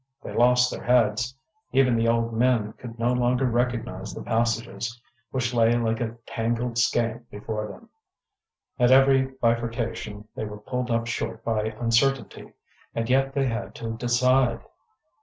They lost their heads; even the old men could no longer recognize the passages, which lay like a tangled skein before them. At every bifurcation they were pulled up short by uncertainty, and yet they had to decide.